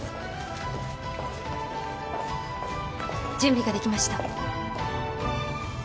準備ができました。